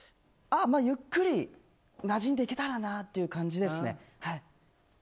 ゆっくり馴染んでいけたらなっていう感じですね。